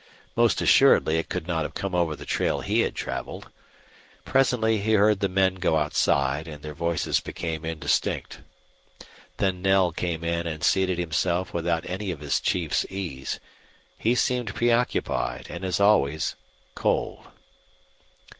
Most assuredly it could not have come over the trail he had traveled. Presently he heard the men go outside, and their voices became indistinct. Then Knell came in and seated himself without any of his chief's ease. He seemed preoccupied and, as always, cold.